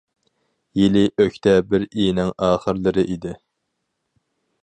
- يىلى ئۆكتەبىر ئېيىنىڭ ئاخىرلىرى ئىدى.